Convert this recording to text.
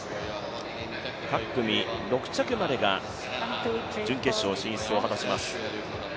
各組６着までが準決勝進出を果たします。